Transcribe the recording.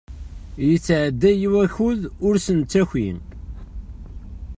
Yettɛedday wakud ur s-nettaki.